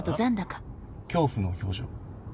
恐怖の表情。